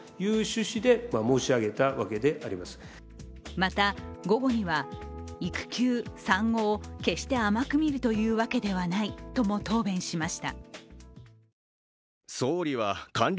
また、午後には育休、産後を決して甘く見るというわけではないとも答弁しました。